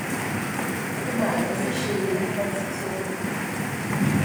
De Maidle se scheen, han se gsunge.